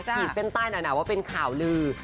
ขีดเส้นใต้หน่อยนะว่าเป็นข่าวลือ